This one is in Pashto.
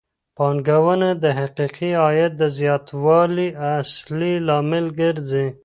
پانګونه د حقيقي عايد د زياتوالي اصلي لامل ګرځي.